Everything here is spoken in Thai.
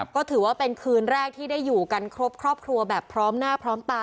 ก็ถือว่าเป็นคืนแรกที่ได้อยู่กันครบครอบครัวแบบพร้อมหน้าพร้อมตา